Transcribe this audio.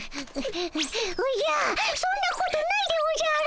おじゃそんなことないでおじゃる。